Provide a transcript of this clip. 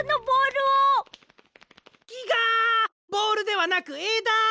ボールではなくえだ！